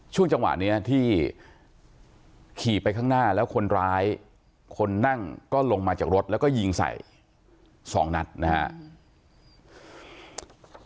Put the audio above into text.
จังหวะนี้ที่ขี่ไปข้างหน้าแล้วคนร้ายคนนั่งก็ลงมาจากรถแล้วก็ยิงใส่๒นัดนะครับ